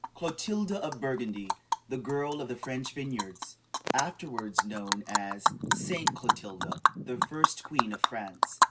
CLOTILDA OF BURGANDY: THE GIRL OF THE FRENCH VINYARDS (Afterward known as "St. Clotilda," the first Queen of France.)